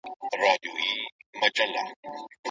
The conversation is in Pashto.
زما ورور په یوه خصوصي شرکت کي کار کاوه.